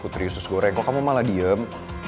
putri sus goreng kok kamu malah diem